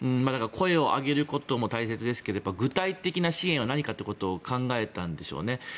だから声を上げることも大切ですけど具体的な支援は何かということを考えたんでしょうね。